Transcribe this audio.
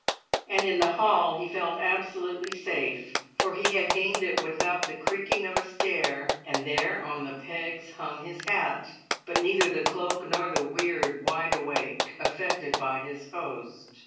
And in the hall he felt absolutely safe, for he had gained it without the creaking of a stair, and there on the pegs hung his hat, but neither the cloak nor the weird wide awake affected by his host.